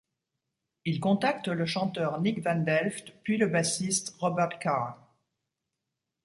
Ils contactent le chanteur Nick van Delft puis le bassiste Robert Kahr.